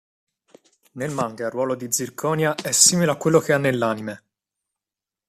Nel manga il ruolo di Zirconia è simile a quello che ha nell'anime.